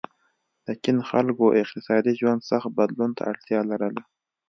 د چین خلکو اقتصادي ژوند سخت بدلون ته اړتیا لرله.